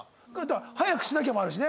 「早くしなきゃ」もあるしね。